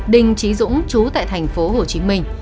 đình trí dũng chú tại thành phố hồ chí minh